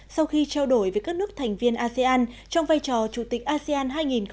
sau khi trao đổi với các nước thành viên asean trong vai trò chủ tịch asean hai nghìn hai mươi